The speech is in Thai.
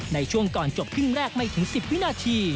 ในช่วงก่อนจบครึ่งแรกไม่ถึง๑๐วินาที